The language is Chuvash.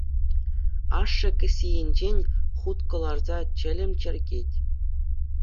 Ашшӗ кӗсйинчен хут кӑларса чӗлӗм чӗркет.